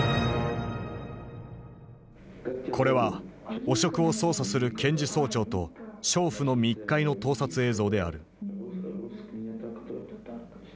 これは汚職を捜査する検事総長と娼婦の密会の盗撮映像である。